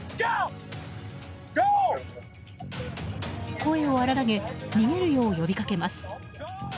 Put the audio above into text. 声を荒らげ逃げるよう呼びかけます。